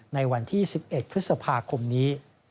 ในวันที่๑๑พฤษภาคมนี้